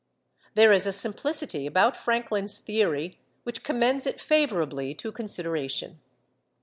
There is a simplicity about Franklin's theory which commends it favourably to consideration.